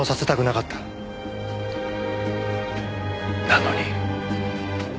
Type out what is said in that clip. なのに。